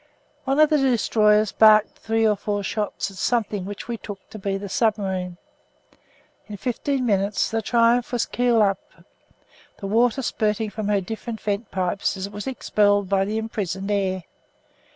One of the destroyers barked three or four shots at something which we took to be the submarine. In fifteen minutes the Triumph was keel up, the water spurting from her different vent pipes as it was expelled by the imprisoned air.